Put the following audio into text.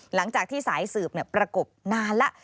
หลังจากที่สายสืบประกบนานแล้ว